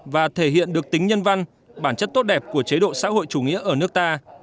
và thể hiện được tính nhân văn bản chất tốt đẹp của chế độ xã hội chủ nghĩa ở nước ta